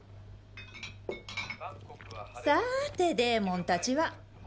さあてデーモンたちは。